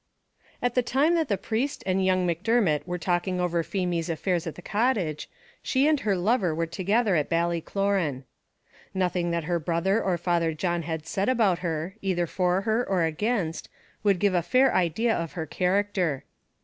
At the time that the priest and young Macdermot were talking over Feemy's affairs at the cottage, she and her lover were together at Ballycloran. Nothing that her brother or Father John had said about her, either for her or against, would give a fair idea of her character.